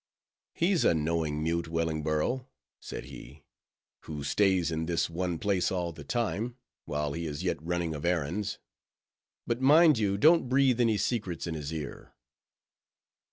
"He's a knowing mute, Wellingborough," said he; "who stays in this one place all the time, while he is yet running of errands. But mind you don't breathe any secrets in his ear."